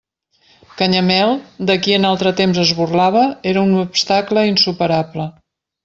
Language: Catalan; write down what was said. Canyamel, de qui en altre temps es burlava, era un obstacle insuperable.